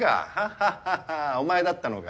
ハハハお前だったのか。